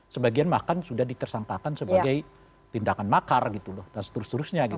sebagian bahkan sudah ditersangkakan sebagai tindakan makar gitu loh dan seterusnya gitu